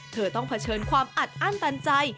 เธอต้องเผชิญความอัดอั้นตันใจ